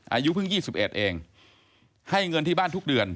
อายุเพิ่ง๒๑เองให้เงินที่บ้านทุกเดือน